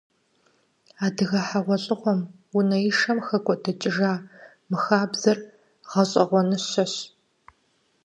Адыгэ хьэгъуэлӀыгъуэм, унэишэм хэкӀуэдыкӀыжа мы хабзэр гъэщӀэгъуэныщэщ.